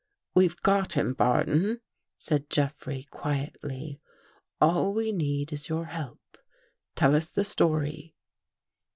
"WeVe got him, Barton," said Jeffrey quietly. " All we need is your help. Tell us the story."